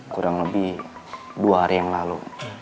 kurang lebih dua hari yang lalu